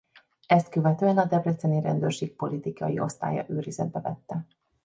Ezt követően a debreceni rendőrség politikai osztálya őrizetbe vette.